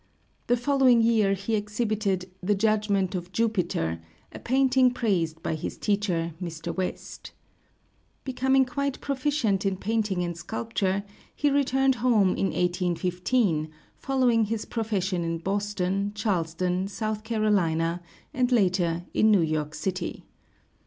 The following year he exhibited "The Judgment of Jupiter," a painting praised by his teacher, Mr. West. Becoming quite proficient in painting and sculpture, he returned home in 1815, following his profession in Boston, Charleston, South Carolina, and later in New York city.